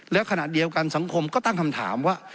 แล้วขณะเดียวกันสังคมก็ตั้งคำถามว่า